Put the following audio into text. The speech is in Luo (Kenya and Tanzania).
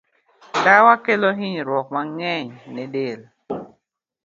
Ndawa kelo hinyruok mang'eny ne del.